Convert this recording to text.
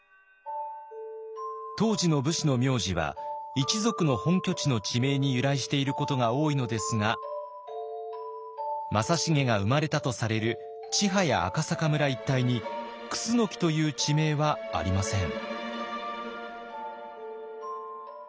当時の武士の名字は一族の本拠地の地名に由来していることが多いのですが正成が生まれたとされる千早赤阪村一帯に「楠木」という地名はありません。